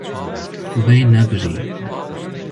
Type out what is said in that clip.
Wê nebirî.